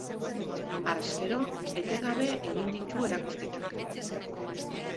Harrezkero, etengabe egin ditu erakusketak.